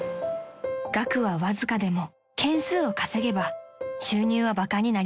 ［額はわずかでも件数を稼げば収入はバカになりません］